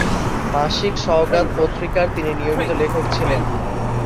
মাসিক সওগাত পত্রিকার তিনি নিয়মিত লেখক ছিলেন।